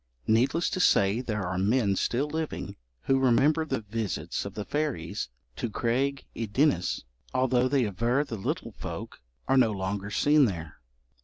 Needless to say there are men still living who remember the visits of the fairies to Craig y Ddinas, although they aver the little folk are no longer seen there.